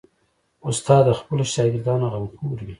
استاد د خپلو شاګردانو غمخور وي.